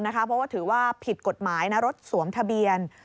เพราะว่าถือว่าผิดกฎหมายรถสวมทะเบียน